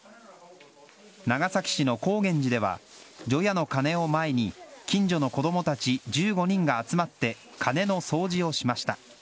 長崎市の光源寺では除夜の鐘を前に近所の子供たち１５人が集まって鐘の掃除をしました。